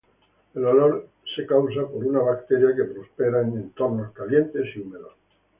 El olor es causado por una bacteria que prospera en entornos calientes y húmedos.